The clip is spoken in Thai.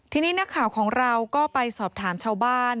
ทีนี้นักข่าวของเราก็ไปสอบถามชาวบ้าน